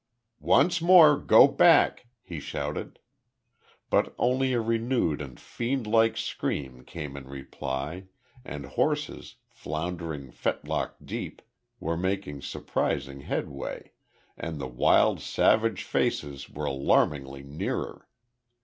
"Once more go back!" he shouted. But only a renewed and fiend like scream came in reply, and horses, floundering fetlock deep, were making surprising headway, and the wild savage faces were alarmingly nearer.